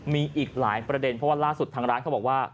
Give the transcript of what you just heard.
มีอีกหลายประเด็นเพราะว่าล่าสุดทางร้านเขาบอกว่า